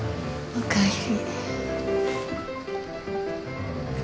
おかえり。